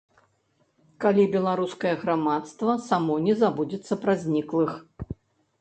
Калі беларускае грамадства само не забудзецца пра зніклых.